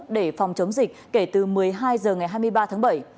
để phòng chống dịch kể từ một mươi hai h ngày hai mươi ba tháng bảy